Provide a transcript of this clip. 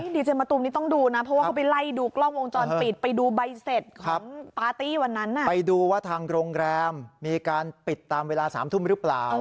ดีเจมัตตูมนี้ต้องดูเพราะเข้าไปไล่ดูเกล้าวงจอปีด